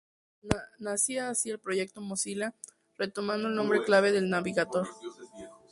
Nacía así el proyecto Mozilla, retomando el nombre clave de "Navigator".